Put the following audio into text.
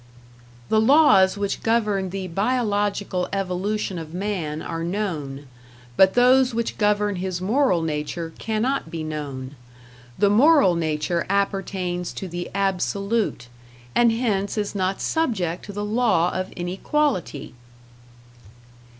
The laws which govern the biological evolution of man are known, but those which govern his moral nature cannot be known; the moral nature appertains to the Absolute, and hence is not subject to the law of inequality!